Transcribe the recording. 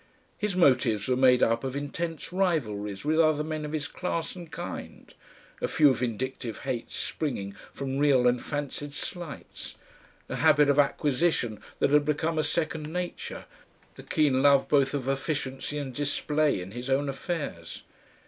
His motives were made up of intense rivalries with other men of his class and kind, a few vindictive hates springing from real and fancied slights, a habit of acquisition that had become a second nature, a keen love both of efficiency and display in his own affairs.